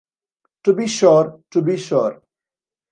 To be sure, to be sure!